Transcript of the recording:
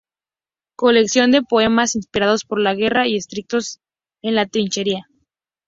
Colección de poemas inspirados por la guerra y escritos en la trinchera.